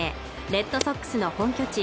レッドソックスの本拠地